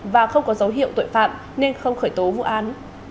và không có dấu hiệu tội phạm nên không khởi tố vụ án